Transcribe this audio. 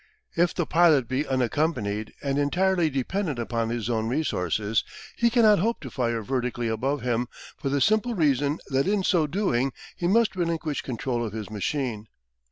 If the pilot be unaccompanied and entirely dependent upon his own resources he cannot hope to fire vertically above him, for the simple reason that in so doing he must relinquish control of his machine.